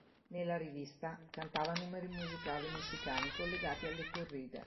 Nella rivista, cantava numeri musicali messicani collegati alle corride.